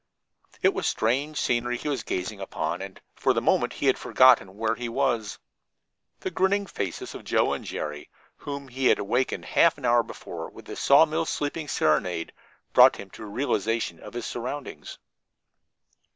It was strange scenery he was gazing upon, and for the moment he had forgotten where he was. The grinning faces of Joe and Jerry, whom he had awakened half an hour before with his sawmill sleeping serenade, brought him to a realization of his surroundings.